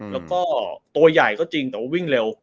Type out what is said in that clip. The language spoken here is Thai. แล้วก็ตัวใหญ่ก็จริงแต่ว่าวิ่งเร็ว